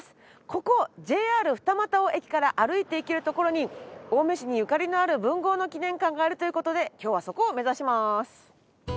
ここＪＲ二俣尾駅から歩いて行ける所に青梅市にゆかりのある文豪の記念館があるという事で今日はそこを目指します。